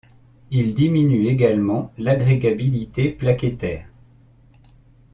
Ils diminuent également l'agrégabilité plaquettaire.